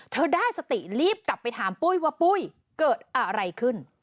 ได้สติรีบกลับไปถามปุ้ยว่าปุ้ยเกิดอะไรขึ้น